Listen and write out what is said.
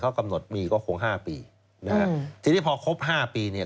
เขากำหนดมีก็คงห้าปีนะฮะทีนี้พอครบห้าปีเนี่ย